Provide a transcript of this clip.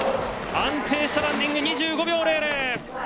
安定したランディングで２５秒００！